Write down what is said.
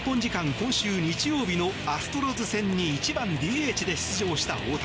今週日曜日のアストロズ戦に１番ＤＨで出場した大谷。